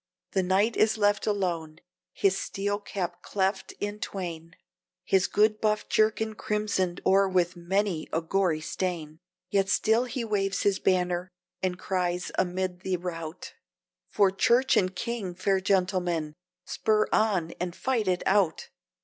The knight is left alone, his steel cap cleft in twain, His good buff jerkin crimsoned o'er with many a gory stain; Yet still he waves his banner, and cries amid the rout, "For Church and King, fair gentlemen! spur on, and fight it out!"